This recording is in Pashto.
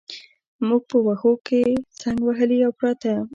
موږ په وښو کې څنګ وهلي او پراته.